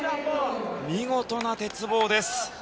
見事な鉄棒です。